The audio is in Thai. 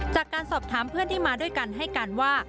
จากการสอบถามเพื่อนที่มาด้วยกันให้การว่า